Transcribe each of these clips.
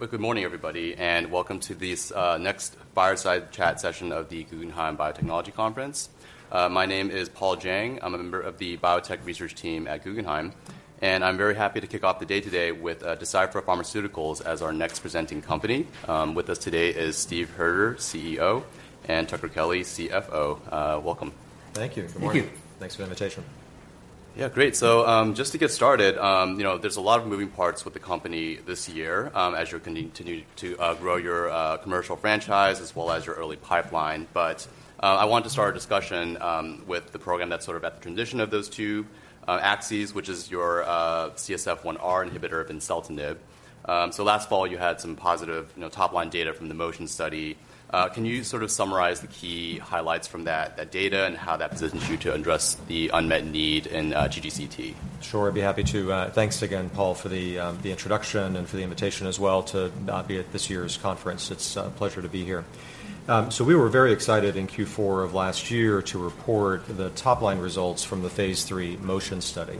Well, good morning, everybody, and welcome to this next fireside chat session of the Guggenheim Biotechnology Conference. My name is Paul Jeng. I'm a member of the biotech research team at Guggenheim, and I'm very happy to kick off the day today with Deciphera Pharmaceuticals as our next presenting company. With us today is Steven Hoerter, CEO, and Tucker Kelly, CFO. Welcome. Thank you. Good morning. Thank you. Thanks for the invitation. Yeah, great. So, just to get started, you know, there's a lot of moving parts with the company this year, as you're continue to grow your commercial franchise as well as your early pipeline. But, I want to start our discussion with the program that's sort of at the transition of those two axes, which is your CSF1R inhibitor, vimseltinib. So last fall, you had some positive, you know, top-line data from the MOTION study. Can you sort of summarize the key highlights from that data and how that positions you to address the unmet need in TGCT? Sure, I'd be happy to. Thanks again, Paul, for the introduction and for the invitation as well to be at this year's conference. It's a pleasure to be here. So, we were very excited in Q4 of last year to report the top-line results from the phase 3 MOTION study.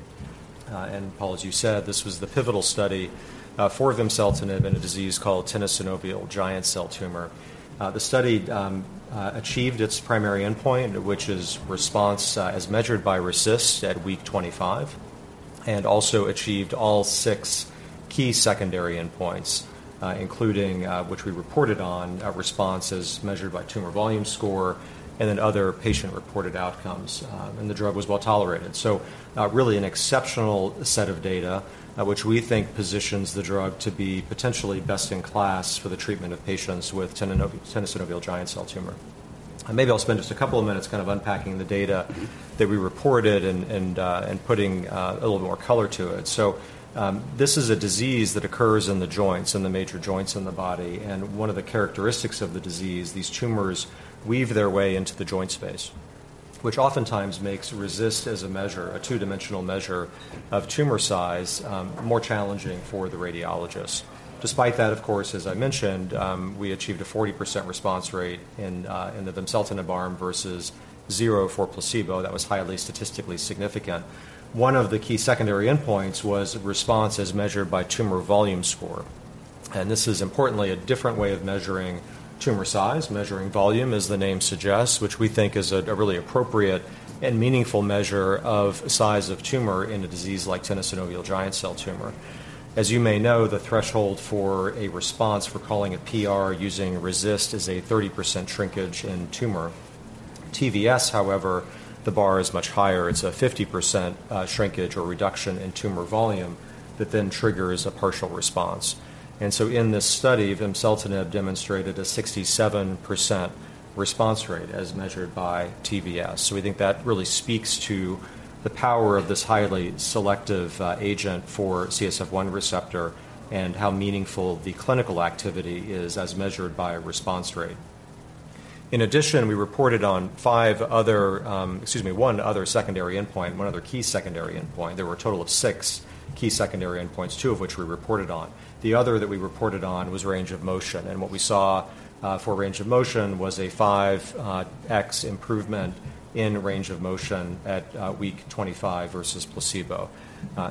And Paul, as you said, this was the pivotal study for vimseltinib in a disease called tenosynovial giant cell tumor. The study achieved its primary endpoint, which is response as measured by RECIST at week 25, and also achieved all six key secondary endpoints, including which we reported on responses measured by tumor volume score and then other patient-reported outcomes. And the drug was well-tolerated. So, really an exceptional set of data, which we think positions the drug to be potentially best in class for the treatment of patients with tenosynovial giant cell tumor. And maybe I'll spend just a couple of minutes kind of unpacking the data that we reported and putting a little more color to it. So, this is a disease that occurs in the joints, in the major joints in the body, and one of the characteristics of the disease, these tumors weave their way into the joint space, which oftentimes makes RECIST as a measure, a two-dimensional measure of tumor size, more challenging for the radiologist. Despite that, of course, as I mentioned, we achieved a 40% response rate in the vimseltinib arm versus zero for placebo. That was highly statistically significant. One of the key secondary endpoints was response as measured by tumor volume score, and this is importantly a different way of measuring tumor size, measuring volume, as the name suggests, which we think is a really appropriate and meaningful measure of size of tumor in a disease like tenosynovial giant cell tumor. As you may know, the threshold for a response, for calling it PR, using RECIST is a 30% shrinkage in tumor. TVS, however, the bar is much higher. It's a 50% shrinkage or reduction in tumor volume that then triggers a partial response. And so in this study, vimseltinib demonstrated a 67% response rate as measured by TVS. So we think that really speaks to the power of this highly selective agent for CSF1 receptor and how meaningful the clinical activity is as measured by response rate. In addition, we reported on five other, excuse me, one other secondary endpoint, one other key secondary endpoint. There were a total of six key secondary endpoints, two of which we reported on. The other that we reported on was range of motion, and what we saw for range of motion was a 5x improvement in range of motion at week 25 versus placebo.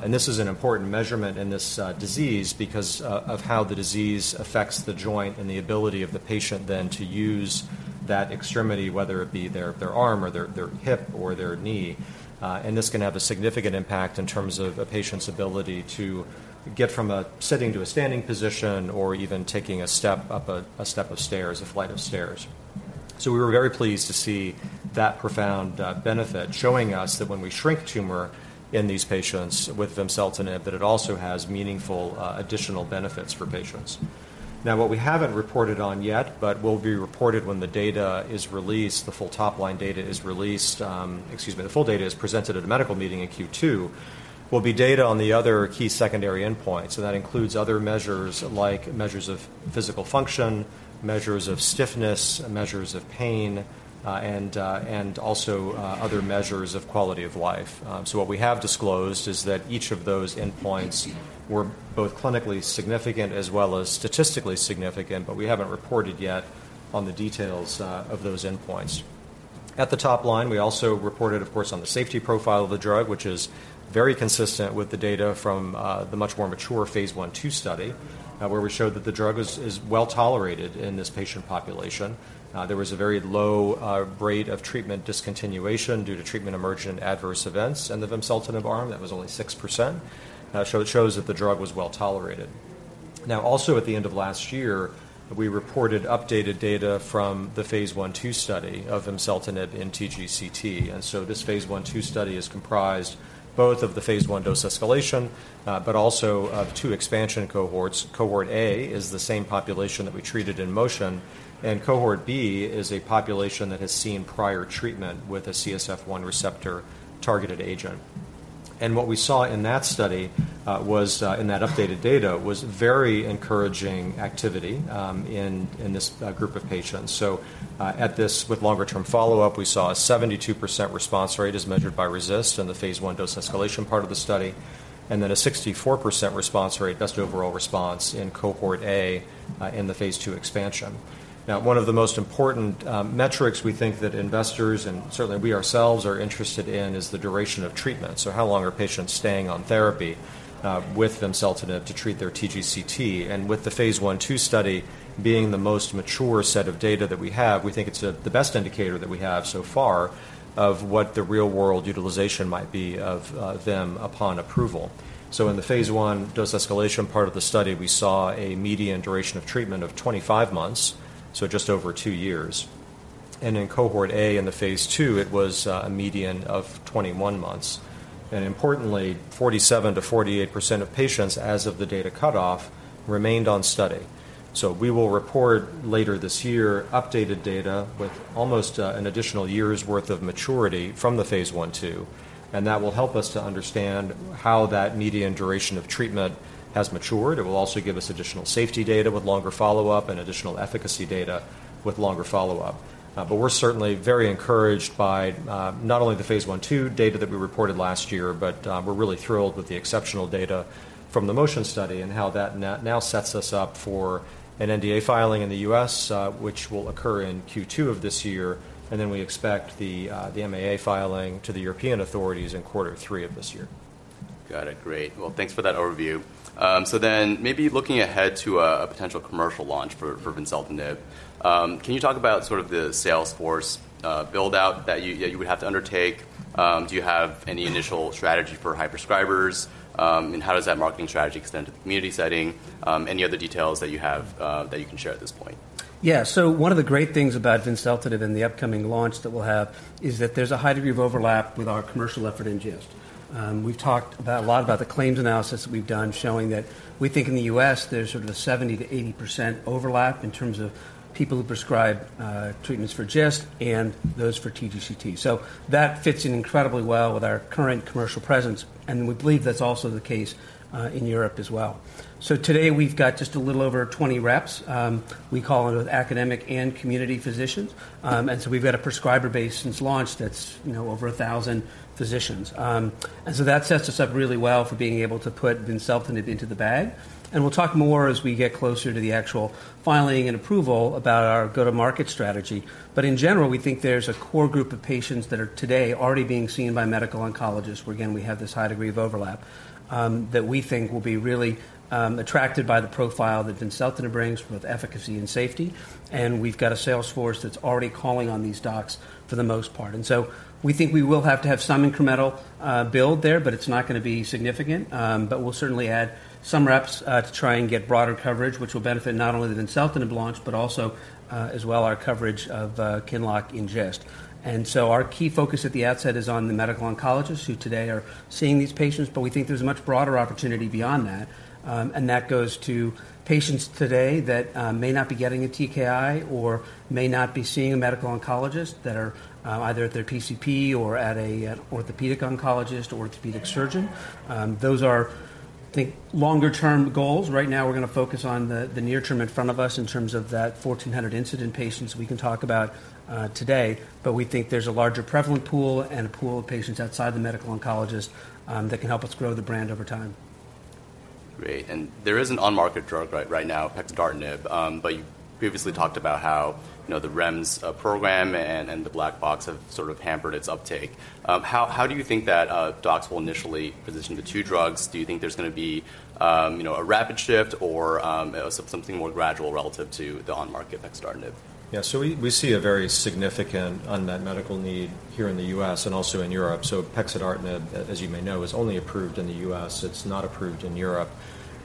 This is an important measurement in this disease because of how the disease affects the joint and the ability of the patient then to use that extremity, whether it be their arm or their hip or their knee. And this can have a significant impact in terms of a patient's ability to get from a sitting to a standing position or even taking a step up a step of stairs, a flight of stairs. So we were very pleased to see that profound benefit, showing us that when we shrink tumor in these patients with vimseltinib, that it also has meaningful additional benefits for patients. Now, what we haven't reported on yet, but will be reported when the data is released, the full top-line data is released, excuse me, the full data is presented at a medical meeting in Q2, will be data on the other key secondary endpoints. So that includes other measures like measures of physical function, measures of stiffness, measures of pain, and, and also other measures of quality of life. So, what we have disclosed is that each of those endpoints were both clinically significant as well as statistically significant, but we haven't reported yet on the details of those endpoints. At the top line, we also reported, of course, on the safety profile of the drug, which is very consistent with the data from the much more mature phase I-II study, where we showed that the drug was, is well-tolerated in this patient population. There was a very low rate of treatment discontinuation due to treatment-emergent adverse events in the vimseltinib arm. That was only 6%. So it shows that the drug was well-tolerated. Now, also, at the end of last year, we reported updated data from the phase I-II study of vimseltinib in TGCT. This phase I-II study is comprised both of the phase 1 dose escalation, but also of two expansion cohorts. Cohort A is the same population that we treated in MOTION, and Cohort B is a population that has seen prior treatment with a CSF1 receptor-targeted agent. What we saw in that study, in that updated data, was very encouraging activity in this group of patients. So, with longer-term follow-up, we saw a 72% response rate as measured by RECIST in the phase I dose escalation part of the study, and then a 64% response rate, best overall response in Cohort A, in the phase II expansion. Now, one of the most important metrics we think that investors, and certainly we ourselves, are interested in is the duration of treatment. So, how long are patients staying on therapy with vimseltinib to treat their TGCT? And with the phase I-II study being the most mature set of data that we have, we think it's the best indicator that we have so far of what the real-world utilization might be of them upon approval. So in the phase I dose escalation part of the study, we saw a median duration of treatment of 25 months, so just over two years. And in cohort A in the phase II, it was a median of 21 months. And importantly, 47%-48% of patients as of the data cutoff remained on study. So, we will report later this year, updated data with almost an additional year's worth of maturity from the phase I/II, and that will help us to understand how that median duration of treatment has matured. It will also give us additional safety data with longer follow-up and additional efficacy data with longer follow-up. But we're certainly very encouraged by not only the phase I/II data that we reported last year, but we're really thrilled with the exceptional data from the MOTION study and how that now sets us up for an NDA filing in the U.S., which will occur in Q2 of this year, and then we expect the MAA filing to the European authorities in quarter three of this year. Got it. Great. Well, thanks for that overview. So then maybe looking ahead to a potential commercial launch for vimseltinib. Can you talk about sort of the sales force build-out that you would have to undertake? Do you have any initial strategy for high prescribers? And how does that marketing strategy extend to the community setting? Any other details that you have that you can share at this point? Yeah. So, one of the great things about vimseltinib and the upcoming launch that we'll have is that there's a high degree of overlap with our commercial effort in GIST. We've talked about a lot about the claims analysis that we've done, showing that we think in the US, there's sort of a 70%-80% overlap in terms of people who prescribe treatments for GIST and those for TGCT. So that fits in incredibly well with our current commercial presence, and we believe that's also the case in Europe as well. So today we've got just a little over 20 reps we call it with academic and community physicians. And so we've got a prescriber base since launch that's, you know, over 1,000 physicians. And so that sets us up really well for being able to put vimseltinib into the bag. We'll talk more as we get closer to the actual filing and approval about our go-to-market strategy. But in general, we think there's a core group of patients that are today already being seen by medical oncologists, where, again, we have this high degree of overlap, that we think will be really, attracted by the profile that vimseltinib brings with efficacy and safety. We've got a sales force that's already calling on these docs for the most part. So we think we will have to have some incremental, build there, but it's not gonna be significant. But we'll certainly add some reps, to try and get broader coverage, which will benefit not only the vimseltinib launch, but also, as well, our coverage of, QINLOCK in GIST. And so our key focus at the outset is on the medical oncologists, who today are seeing these patients, but we think there's a much broader opportunity beyond that. That goes to patients today that may not be getting a TKI or may not be seeing a medical oncologist, that are either at their PCP or at an orthopedic oncologist or orthopedic surgeon. Those are, I think, longer-term goals. Right now, we're gonna focus on the near term in front of us in terms of that 1,400 incident patients we can talk about today. But we think there's a larger prevalent pool and a pool of patients outside the medical oncologist that can help us grow the brand over time. Great. There is an on-market drug right now, pexidartinib, but you previously talked about how, you know, the REMS program and the black box have sort of hampered its uptake. How do you think that docs will initially position the two drugs? Do you think there's gonna be, you know, a rapid shift or something more gradual relative to the on-market pexidartinib? Yeah. So we, we see a very significant unmet medical need here in the U.S. and also in Europe. So pexidartinib, as you may know, is only approved in the U.S., it's not approved in Europe.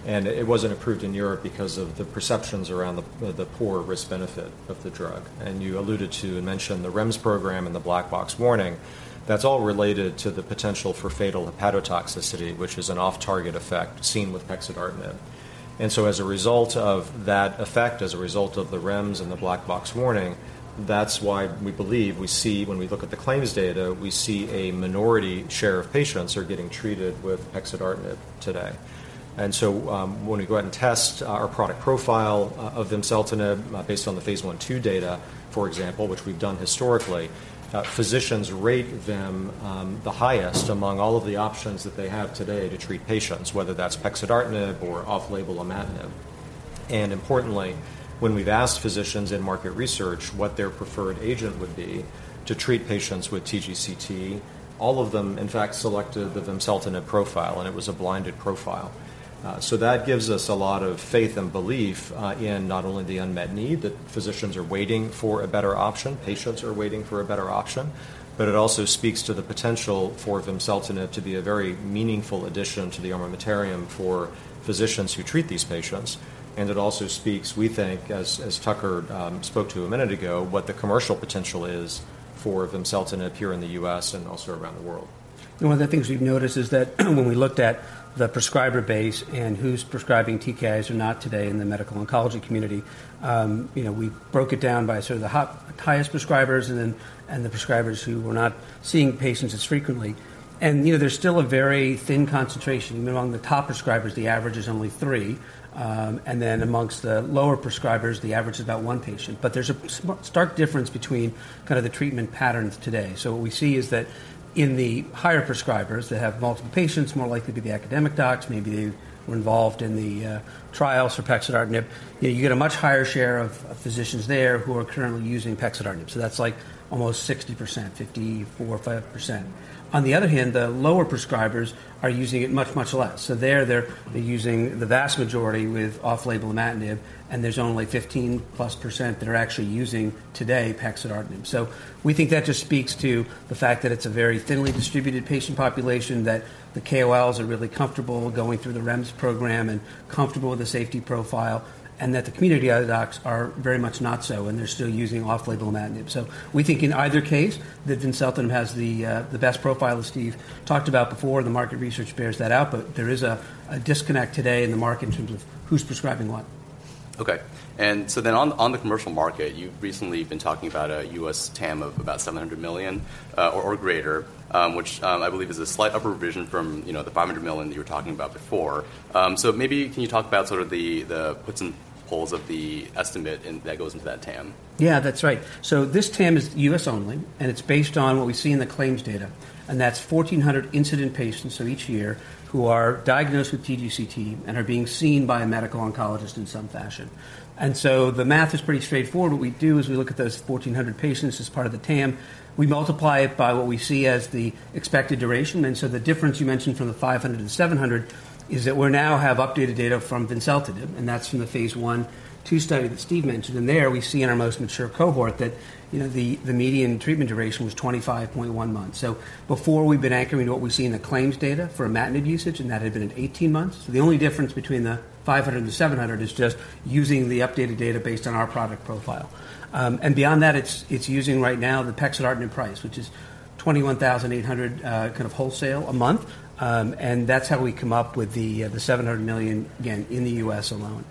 And it wasn't approved in Europe because of the perceptions around the, the poor risk-benefit of the drug. And you alluded to and mentioned the REMS program and the black box warning, that's all related to the potential for fatal hepatotoxicity, which is an off-target effect seen with pexidartinib. And so as a result of that effect, as a result of the REMS and the black box warning, that's why we believe we see... When we look at the claims data, we see a minority share of patients are getting treated with pexidartinib today. So, when we go out and test our product profile of vimseltinib, based on the phase I/II data, for example, which we've done historically, physicians rate them the highest among all of the options that they have today to treat patients, whether that's pexidartinib or off-label imatinib. Importantly, when we've asked physicians in market research what their preferred agent would be to treat patients with TGCT, all of them, in fact, selected the vimseltinib profile, and it was a blinded profile. So that gives us a lot of faith and belief in not only the unmet need, that physicians are waiting for a better option, patients are waiting for a better option, but it also speaks to the potential for vimseltinib to be a very meaningful addition to the armamentarium for physicians who treat these patients. It also speaks, we think, as Tucker spoke to a minute ago, what the commercial potential is for vimseltinib here in the U.S. and also around the world. One of the things we've noticed is that when we looked at the prescriber base and who's prescribing TKIs or not today in the medical oncology community, you know, we broke it down by sort of the highest prescribers and then the prescribers who were not seeing patients as frequently. You know, there's still a very thin concentration. Among the top prescribers, the average is only three, and then amongst the lower prescribers, the average is about one patient. But there's a stark difference between kind of the treatment patterns today. So, what we see is that in the higher prescribers, they have multiple patients, more likely to be the academic docs, maybe they were involved in the trials for pexidartinib. You know, you get a much higher share of physicians there who are currently using pexidartinib. So, that's like almost 60%, 54.5%. On the other hand, the lower prescribers are using it much, much less. So, there they're, they're using the vast majority with off-label imatinib, and there's only 15+% that are actually using today pexidartinib. So we think that just speaks to the fact that it's a very thinly distributed patient population, that the KOLs are really comfortable going through the REMS program and comfortable with the safety profile, and that the community out docs are very much not so, and they're still using off-label imatinib. So, we think in either case, that vimseltinib has the, the best profile, as Steve talked about before, the market research bears that out, but there is a, a disconnect today in the market in terms of who's prescribing what. Okay. And so then on the commercial market, you've recently been talking about a U.S. TAM of about $700 million or greater, which I believe is a slight upper revision from, you know, the $500 million that you were talking about before. So maybe can you talk about sort of the puts and takes of the estimate, and that goes into that TAM? Yeah, that's right. So this TAM is U.S. only, and it's based on what we see in the claims data, and that's 1,400 incident patients each year who are diagnosed with TGCT and are being seen by a medical oncologist in some fashion. And so the math is pretty straightforward. What we do is we look at those 1,400 patients as part of the TAM. We multiply it by what we see as the expected duration, and so the difference you mentioned from the 500 and 700 is that we now have updated data from vimseltinib, and that's from the phase I/II study that Steve mentioned, and there we see in our most mature cohort that, you know, the median treatment duration was 25.1 months. So before we've been anchoring to what we see in the claims data for imatinib usage, and that had been in 18 months. So the only difference between the 500 and 700 is just using the updated data based on our product profile. And beyond that, it's, it's using right now the pexidartinib price, which is $21,800 kind of wholesale a month, and that's how we come up with the, the $700 million, again, in the U.S. alone.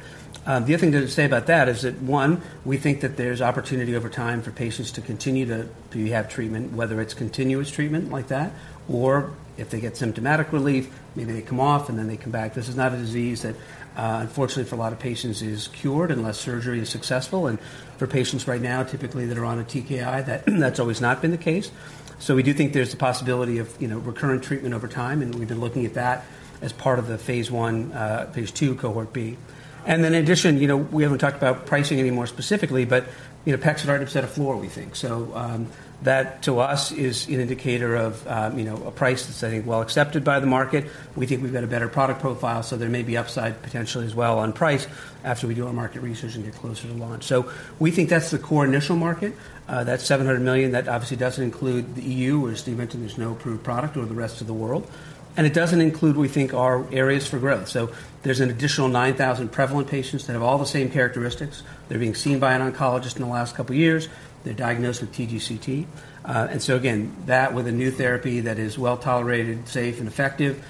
The other thing to say about that is that, one, we think that there's opportunity over time for patients to continue to, to have treatment, whether it's continuous treatment like that, or if they get symptomatic relief, maybe they come off, and then they come back. This is not a disease that, unfortunately, for a lot of patients, is cured unless surgery is successful, and for patients right now, typically, that are on a TKI, that- that's always not been the case. So we do think there's a possibility of, you know, recurrent treatment over time, and we've been looking at that as part of the phase I, phase II cohort B. And then in addition, you know, we haven't talked about pricing any more specifically, but, you know, pexidartinib set a floor, we think. So, that, to us, is an indicator of, you know, a price that's, I think, well accepted by the market. We think we've got a better product profile, so there may be upside potentially as well on price after we do our market research and get closer to launch. So we think that's the core initial market, that's $700 million. That obviously doesn't include the EU, where Steve mentioned there's no approved product or the rest of the world. And it doesn't include, we think, our areas for growth. So there's an additional 9,000 prevalent patients that have all the same characteristics. They're being seen by an oncologist in the last couple of years. They're diagnosed with TGCT. And so again, that with a new therapy that is well-tolerated, safe, and effective,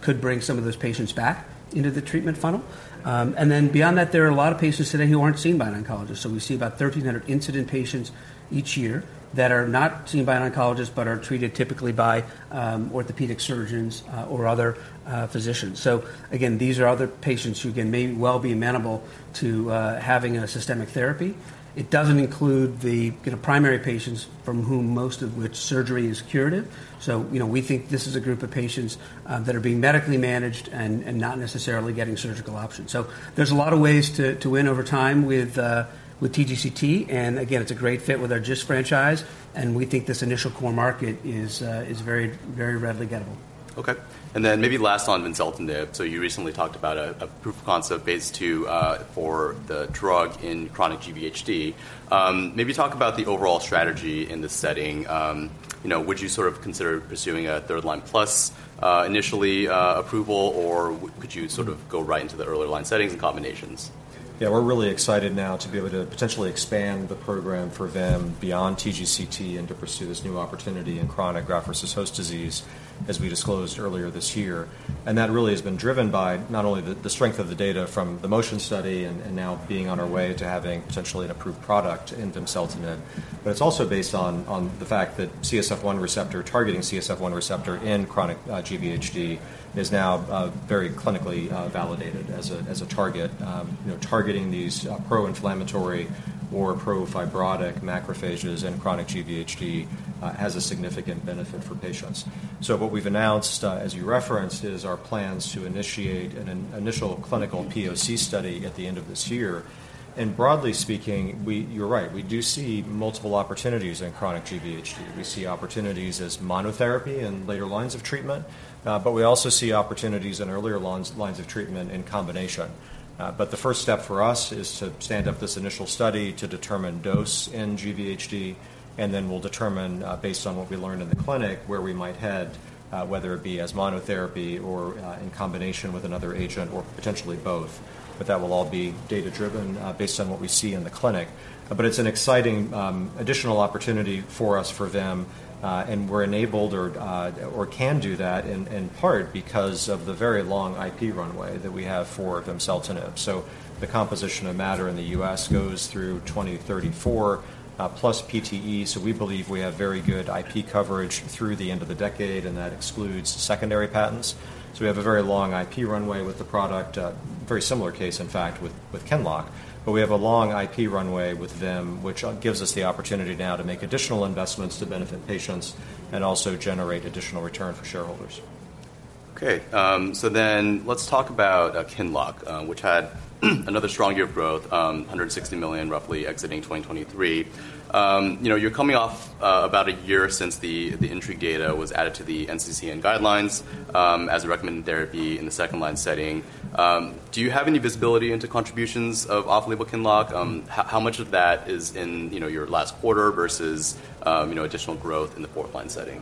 could bring some of those patients back into the treatment funnel. And then beyond that, there are a lot of patients today who aren't seen by an oncologist. So we see about 1,300 incident patients each year that are not seen by an oncologist, but are treated typically by orthopedic surgeons or other physicians. So, again, these are other patients who can may well be amenable to having a systemic therapy. It doesn't include the, you know, primary patients from whom most of which surgery is curative. So, you know, we think this is a group of patients that are being medically managed and, and not necessarily getting surgical options. So, there's a lot of ways to, to win over time with with TGCT, and again, it's a great fit with our GIST franchise, and we think this initial core market is, is very, very readily gettable. Okay. And then maybe last on vimseltinib. So you recently talked about a proof of concept phase II for the drug in chronic GVHD. Maybe talk about the overall strategy in this setting. You know, would you sort of consider pursuing a third-line plus initially approval, or could you sort of go right into the early line settings and combinations? Yeah, we're really excited now to be able to potentially expand the program for them beyond TGCT and to pursue this new opportunity in chronic graft versus host disease, as we disclosed earlier this year. And that really has been driven by not only the strength of the data from the MOTION study and now being on our way to having potentially an approved product in vimseltinib, but it's also based on the fact that CSF1 receptor, targeting CSF1 receptor in chronic GVHD, is now very clinically validated as a target. You know, targeting these pro-inflammatory or pro-fibrotic macrophages in chronic GVHD has a significant benefit for patients. So what we've announced, as you referenced, is our plans to initiate an initial clinical POC study at the end of this year. And broadly speaking, we... You're right. We do see multiple opportunities in chronic GVHD. We see opportunities as monotherapy in later lines of treatment, but we also see opportunities in earlier lines, lines of treatment in combination. But the first step for us is to stand up this initial study to determine dose in GVHD, and then we'll determine, based on what we learn in the clinic, where we might head, whether it be as monotherapy or, in combination with another agent, or potentially both. But that will all be data-driven, based on what we see in the clinic. But it's an exciting, additional opportunity for us, for them, and we're enabled or, or can do that in, in part because of the very long IP runway that we have for vimseltinib. So, the composition of matter in the U.S. goes through 2034, plus PTE, so we believe we have very good IP coverage through the end of the decade, and that excludes secondary patents. So, we have a very long IP runway with the product, very similar case, in fact, with, with Qinlock, but we have a long IP runway with them, which gives us the opportunity now to make additional investments to benefit patients and also generate additional return for shareholders. Okay, so then let's talk about QINLOCK, which had another strong year of growth, $160 million roughly exiting 2023. You know, you're coming off about a year since the INTRIGUE data was added to the NCCN guidelines, as a recommended therapy in the second line setting. Do you have any visibility into contributions of off-label QINLOCK? How much of that is in, you know, your last quarter versus, you know, additional growth in the fourth line setting?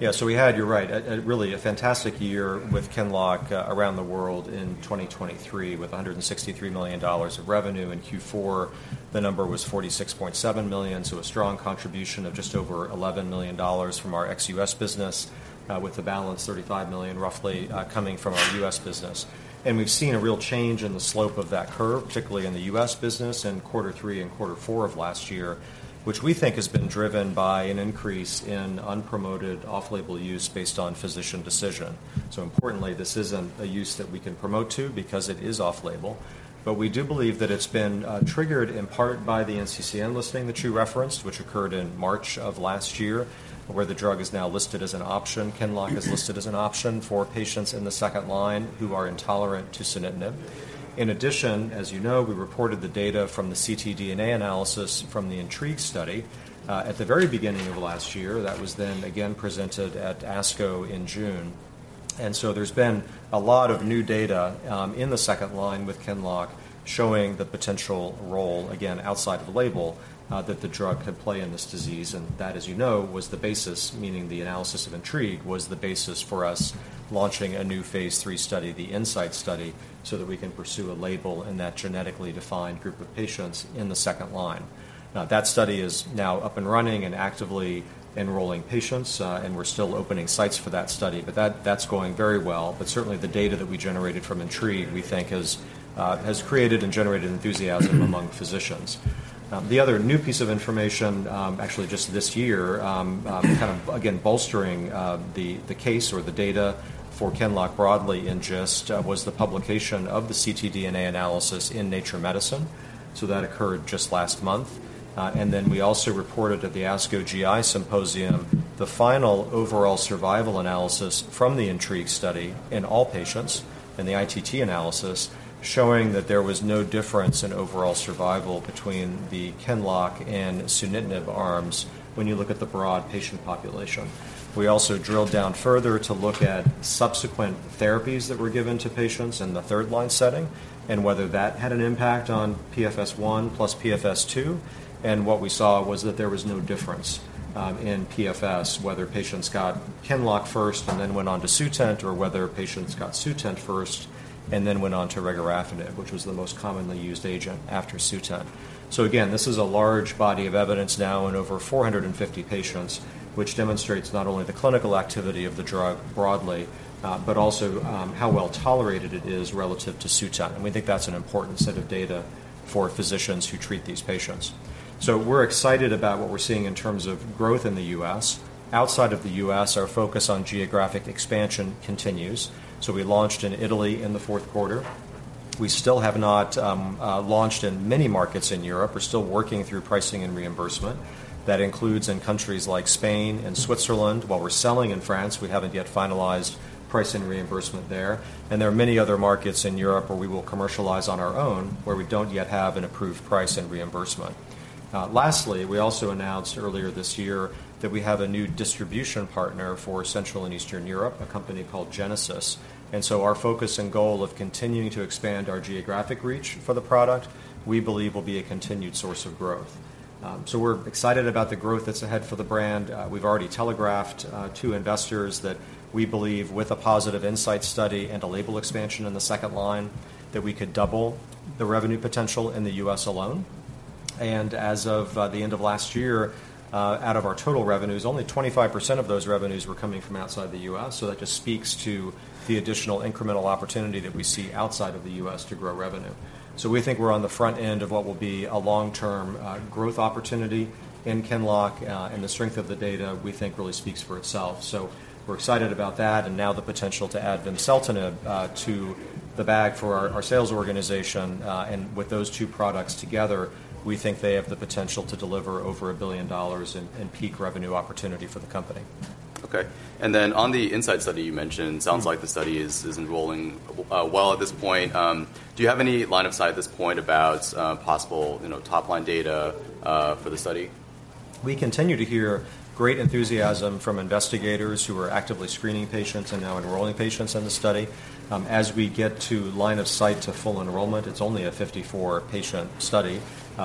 Yeah. So, we had, you're right, a really fantastic year with QINLOCK around the world in 2023, with $163 million of revenue. In Q4, the number was $46.7 million, so a strong contribution of just over $11 million from our ex-U.S. business, with the balance, roughly $35 million, coming from our U.S. business. We've seen a real change in the slope of that curve, particularly in the U.S. business in quarter three and quarter four of last year, which we think has been driven by an increase in unpromoted off-label use based on physician decision. So, importantly, this isn't a use that we can promote to because it is off-label, but we do believe that it's been triggered in part by the NCCN listing, that you referenced, which occurred in March of last year, where the drug is now listed as an option. QINLOCK is listed as an option for patients in the second line who are intolerant to sunitinib. In addition, as you know, we reported the data from the ctDNA analysis from the INTRIGUE study at the very beginning of last year. That was then again presented at ASCO in June. And so, there's been a lot of new data, in the second line with QINLOCK, showing the potential role, again, outside of the label, that the drug could play in this disease, and that, as you know, was the basis, meaning the analysis of INTRIGUE, was the basis for us launching a new phase III study, the INSIGHT study, so that we can pursue a label in that genetically defined group of patients in the second line. That study is now up and running and actively enrolling patients, and we're still opening sites for that study, but that's going very well. But certainly, the data that we generated from INTRIGUE, we think, has created and generated enthusiasm among physicians. The other new piece of information, actually, just this year, kind of again, bolstering the case or the data for QINLOCK broadly in GIST, was the publication of the ctDNA analysis in Nature Medicine. That occurred just last month. And then we also reported at the ASCO GI Symposium, the final overall survival analysis from the INTRIGUE study in all patients in the ITT analysis, showing that there was no difference in overall survival between the QINLOCK and sunitinib arms when you look at the broad patient population. We also drilled down further to look at subsequent therapies that were given to patients in the third-line setting and whether that had an impact on PFS1 plus PFS2. What we saw was that there was no difference in PFS, whether patients got QINLOCK first and then went on to Sutent, or whether patients got Sutent first and then went on to regorafenib, which was the most commonly used agent after Sutent. So again, this is a large body of evidence now in over 450 patients, which demonstrates not only the clinical activity of the drug broadly, but also how well tolerated it is relative to Sutent. And we think that's an important set of data for physicians who treat these patients. So, we're excited about what we're seeing in terms of growth in the U.S.. Outside of the U.S., our focus on geographic expansion continues. So we launched in Italy in the fourth quarter. We still have not launched in many markets in Europe. We're still working through pricing and reimbursement. That includes in countries like Spain and Switzerland. While we're selling in France, we haven't yet finalized pricing reimbursement there, and there are many other markets in Europe where we will commercialize on our own, where we don't yet have an approved price and reimbursement. Lastly, we also announced earlier this year that we have a new distribution partner for Central and Eastern Europe, a company called Genesis. And so our focus and goal of continuing to expand our geographic reach for the product, we believe will be a continued source of growth. So we're excited about the growth that's ahead for the brand. We've already telegraphed to investors that we believe with a positive INSIGHT study and a label expansion in the second line, that we could double the revenue potential in the U.S. alone. As of the end of last year, out of our total revenues, only 25% of those revenues were coming from outside the U.S., so that just speaks to the additional incremental opportunity that we see outside of the U.S. to grow revenue. So we think we're on the front end of what will be a long-term growth opportunity in QINLOCK, and the strength of the data we think really speaks for itself. So we're excited about that, and now the potential to add vimseltinib to the bag for our sales organization, and with those two products together, we think they have the potential to deliver over $1 billion in peak revenue opportunity for the company. Okay. And then on the INSIGHT study you mentioned- Mm. Sounds like the study is enrolling, well, at this point. Do you have any line of sight at this point about possible, you know, top-line data for the study? We continue to hear great enthusiasm from investigators who are actively screening patients and now enrolling patients in the study. As we get to line of sight to full enrollment, it's only a 54-patient study,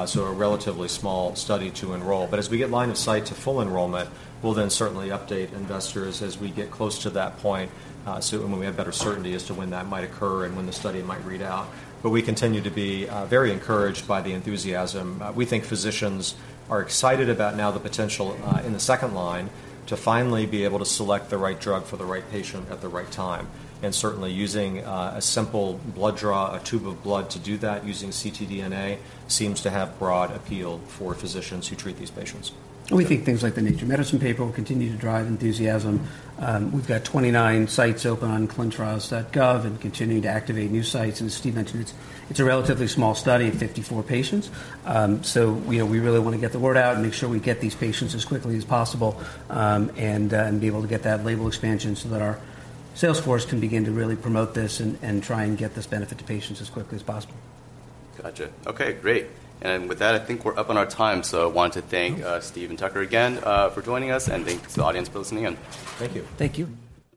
so a relatively small study to enroll. But as we get line of sight to full enrollment, we'll then certainly update investors as we get close to that point, so... and when we have better certainty as to when that might occur and when the study might read out. But we continue to be very encouraged by the enthusiasm. We think physicians are excited about now the potential, in the second line, to finally be able to select the right drug for the right patient at the right time. Certainly, using a simple blood draw, a tube of blood to do that, using ctDNA, seems to have broad appeal for physicians who treat these patients. We think things like the Nature Medicine paper will continue to drive enthusiasm. We've got 29 sites open on clinicaltrials.gov and continuing to activate new sites. And as Steve mentioned, it's, it's a relatively small study of 54 patients. So we, we really want to get the word out and make sure we get these patients as quickly as possible, and be able to get that label expansion so that our sales force can begin to really promote this and, and try and get this benefit to patients as quickly as possible. Gotcha. Okay, great. With that, I think we're up on our time, so I want to thank Steve and Tucker again for joining us, and thanks to the audience for listening in. Thank you. Thank you.